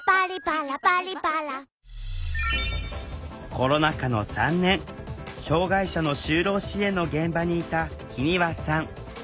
コロナ禍の３年障害者の就労支援の現場にいた木庭さん。